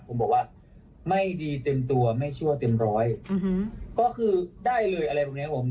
ผมบอกว่าไม่ดีเต็มตัวไม่ชั่วเต็มร้อยก็คือได้เลยอะไรพวกนี้ผม